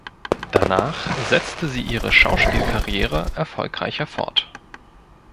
Danach setzte sie ihre Schauspiel-Karriere erfolgreicher fort.